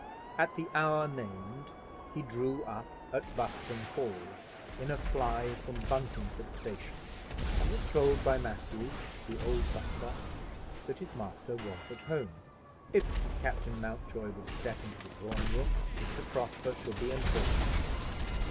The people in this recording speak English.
At the hour named he drew up at Buston Hall in a fly from Buntingford Station, and was told by Matthew, the old butler, that his master was at home. If Captain Mountjoy would step into the drawing room Mr. Prosper should be informed.